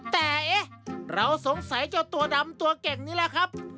แต่เอ๊ะเราสงสัยเจ้าตัวดำตัวเก่งนี่แหละครับ